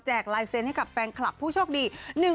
ลายเซ็นต์ให้กับแฟนคลับผู้โชคดี